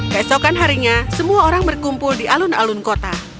keesokan harinya semua orang berkumpul di alun alun kota